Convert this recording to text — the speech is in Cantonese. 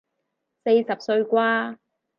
四十歲啩